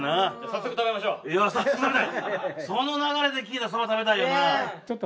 早速ねその流れで聞いたらそば食べたいよな。